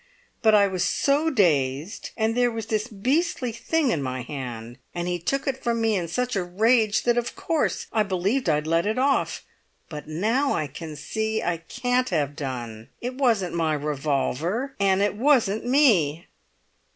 But I was so dazed, and there was this beastly thing in my hand; and he took it from me in such a rage that of course I believed I'd let it off. But now I can see I can't have done. It wasn't my revolver and it wasn't me!"